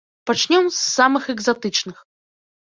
Пачнём з самых экзатычных.